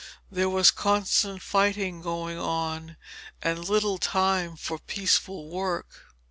There was constant fighting going on and little time for peaceful work.